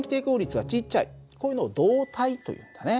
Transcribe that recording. こういうのを導体というんだね。